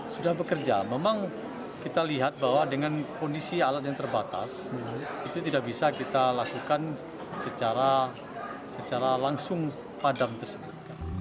sudah bekerja memang kita lihat bahwa dengan kondisi alat yang terbatas itu tidak bisa kita lakukan secara langsung padam tersebut